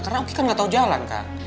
karena oki kan gak tau jalan kak